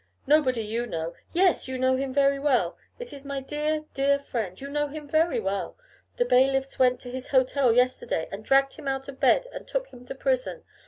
'Nobody you know; yes! you know him very well. It is my dear, dear friend; you know him very well. The bailiffs went to his hotel yesterday, and dragged him out of bed, and took him to prison.